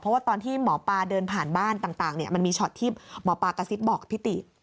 เพราะว่าตอนที่หมอปลาเดินผ่านบ้านต่างมันมีช็อตที่หมอปลากระซิบบอกพี่ติ